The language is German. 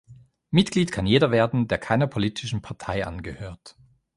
Mitglied kann jeder werden, der keiner politischen Partei angehört.